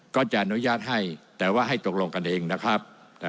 ก็จะอนุญาตให้แต่ว่าให้ตกลงกันเองนะครับ